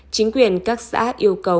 chính quyền các xã yêu cầu